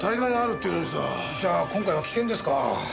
じゃあ今回は棄権ですか。